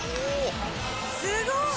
すごい！